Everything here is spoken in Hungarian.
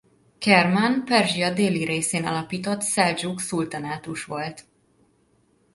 Kermán Perzsia déli részén alapított szeldzsuk szultanátus volt.